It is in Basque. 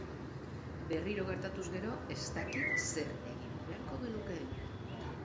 Berriro gertatuz gero, ez dakit zer egin beharko genukeen.